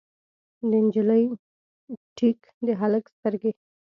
د نجلۍ ټیک، د هلک سترګې